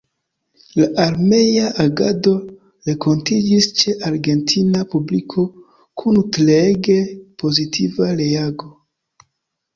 La armea agado renkontiĝis ĉe argentina publiko kun treege pozitiva reago.